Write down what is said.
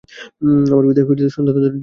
আমার পিতা সনাতন দত্ত ডিরোজিয়োর ছাত্র।